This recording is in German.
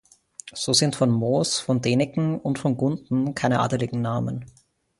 So sind von Moos, von Däniken und von Gunten keine adeligen Namen.